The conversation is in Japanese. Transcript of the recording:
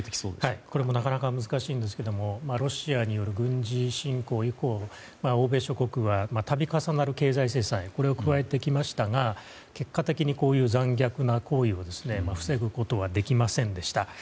これもなかなか難しいんですがロシアによる軍事侵攻以降欧米諸国は度重なる経済制裁を加えてきましたが結果的にこういう残虐な行為を防ぐことはできませんでした。